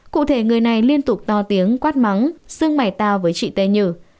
cụ thể người này liên tục to tiếng quát mắng xưng mày tao với chị tê nhữ